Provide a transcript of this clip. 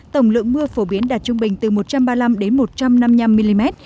tổng lượng mưa phổ biến đạt trung bình từ một trăm ba mươi năm đến một trăm năm mươi năm mm